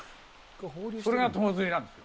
それが友釣りなんですよ。